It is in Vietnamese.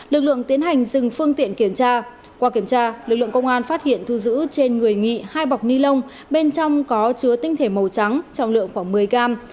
lực lượng tiến hành dừng phương tiện kiểm tra qua kiểm tra lực lượng công an phát hiện thu giữ trên người nghị hai bọc ni lông bên trong có chứa tinh thể màu trắng trọng lượng khoảng một mươi gram